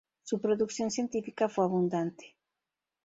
Su producción científica fue abundante.